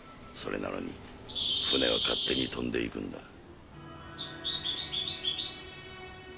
それなのに艇は勝手に飛んで行くんだ。